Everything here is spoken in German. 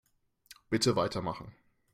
Bitte weitermachen.